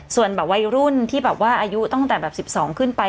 ส่วนวัยรุ่นที่อายุตั้งแต่๑๒ขึ้นไป